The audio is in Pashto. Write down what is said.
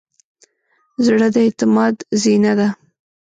زړه د اعتماد زینه ده.